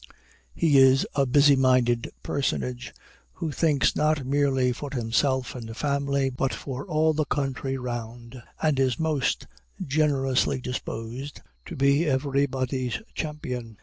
He is a busy minded personage, who thinks not merely for himself and family, but for all the country round, and is most generously disposed to be everybody's champion.